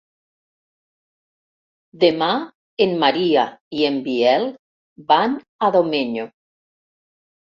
Demà en Maria i en Biel van a Domenyo.